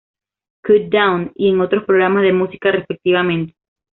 Countdown" y en otros programas de música, respectivamente.